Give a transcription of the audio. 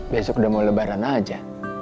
besok udah mau lebaran aja